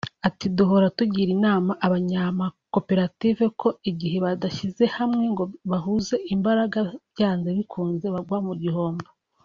Ati “Duhora tugira inama abanyamakoperative ko igihe badashyize hamwe ngo bahuze imbara byanze bikunze bagwa mu bihombo